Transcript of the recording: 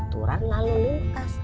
raturan lalu lintas